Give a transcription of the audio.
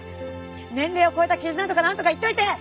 年齢を超えた絆とかなんとか言っといて！